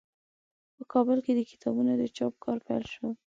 په کابل کې د کتابونو د چاپ کار پیل شو.